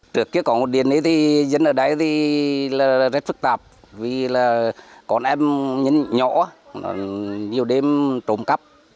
trước kia có một điện thì dân ở đấy thì rất phức tạp vì là con em nhỏ nhiều đêm trồm cắp